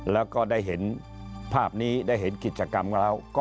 แล้วก็ได้เห็นภาพนี้ได้เห็นกิจกรรมกันแล้ว